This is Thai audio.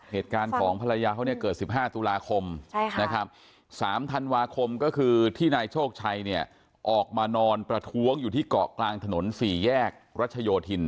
เหตุการณ์ของภรรยาเขาเนี่ยเกิด๑๕ตุลาคมนะครับ๓ธันวาคมก็คือที่นายโชคชัยเนี่ยออกมานอนประท้วงอยู่ที่เกาะกลางถนน๔แยกรัชโยธิน